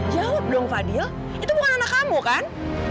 jawab dong fadil itu bukan anak kamu kan